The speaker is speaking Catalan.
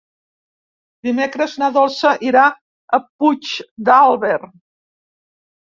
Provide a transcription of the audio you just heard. Dimecres na Dolça irà a Puigdàlber.